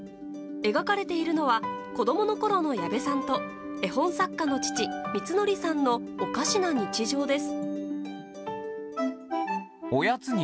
描かれているのは子供のころの矢部さんと絵本作家の父みつのりさんのおかしな日常です。